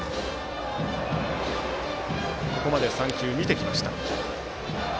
ここまで３球見てきました。